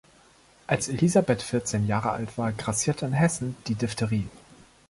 Als Elisabeth vierzehn Jahre alt war, grassierte in Hessen die Diphtherie.